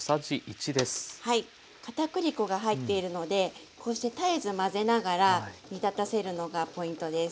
片栗粉が入っているのでこうして絶えず混ぜながら煮立たせるのがポイントです。